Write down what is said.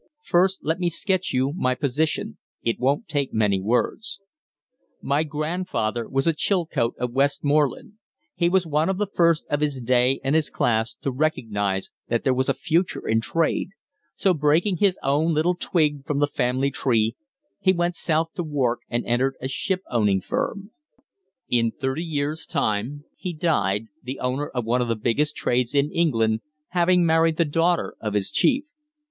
First let me sketch you my position it won't take many words: "My grandfather was a Chilcote of Westmoreland; he was one of the first of his day and his class to recognize that there was a future in trade, so, breaking his own little twig from the family tree, he went south to Wark and entered a ship owning firm. In thirty years' time he died, the owner of one of the biggest trades in England, having married the daughter of his chief.